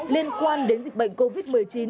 liên quan đến dịch bệnh covid một mươi chín